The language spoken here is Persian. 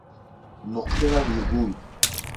نقطه و ویرگول